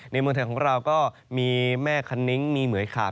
เมืองไทยของเราก็มีแม่คันนิ้งมีเหมือยขาบ